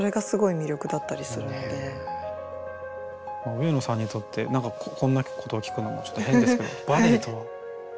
上野さんにとって何かこんなことを聞くのもちょっと変ですけどバレエとは何ですか？